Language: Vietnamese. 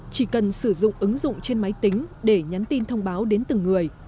chỉ cần sử dụng ứng dụng trên máy tính để nhắn tin thông báo đến từng người